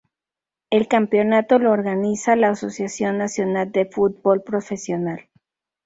El campeonato lo organiza la Asociación Nacional de Fútbol Profesional.